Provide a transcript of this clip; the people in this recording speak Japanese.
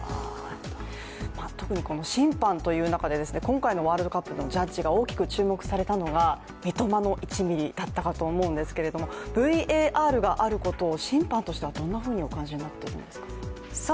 特に審判という中で、今回のワールドカップのジャッジが大きく注目されたのが三笘の１ミリだったかと思うんですけれどもＶＡＲがあることを審判としてはどんなふうにお感じになってるんですか。